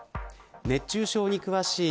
熱中症に詳しい